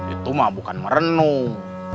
itu mah bukan merenung